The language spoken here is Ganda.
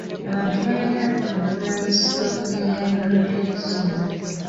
Abantu balina okumanyisibwa ku miganyulo gy'okusoma.